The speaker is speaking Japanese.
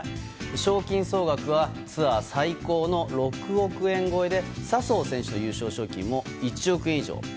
賞金総額はツアー最高の６億円超えで笹生選手の優勝賞金も１億円以上。